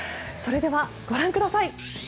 それでは、ご覧ください。